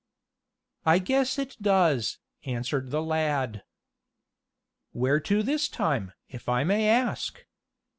"I guess it does," answered the lad. "Where to this time? if I may ask."